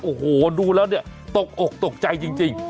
โอ้โฮดูแล้วตกออกตกใจจริง